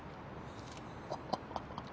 ハハハハ。